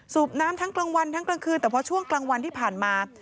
น้ำทั้งกลางวันทั้งกลางคืนแต่พอช่วงกลางวันที่ผ่านมา